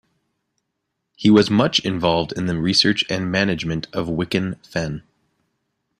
He was much involved in the research and management of Wicken Fen.